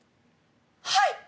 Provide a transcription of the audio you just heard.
はい！